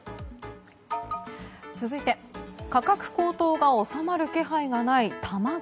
続いて価格高騰が収まる気配がない卵。